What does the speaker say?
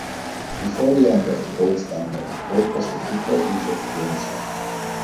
Before the end of the gold standard, gold was the preferred reserve currency.